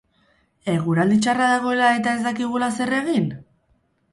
Eguraldi txarra dagoela, eta ez dakizula zer egin?